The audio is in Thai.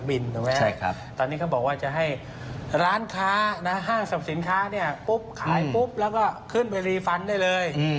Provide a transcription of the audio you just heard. ปุ๊บขายปุ๊บแล้วก็ขึ้นไปรีฟันได้เลย